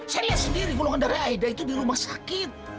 saya lihat sendiri golongan darah aida itu di rumah sakit